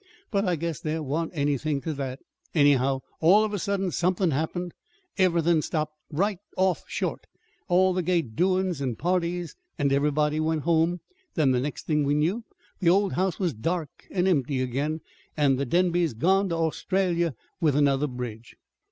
But I guess there wa'n't anythin' ter that. Anyhow, all of a sudden, somethin' happened. Everythin' stopped right off short all the gay doin's and parties and everybody went home. Then, the next thing we knew, the old house was dark and empty again, and the Denbys gone to Australia with another bridge."